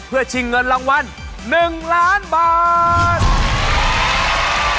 เพื่อชิงเงินรางวัล๑ล้านบาท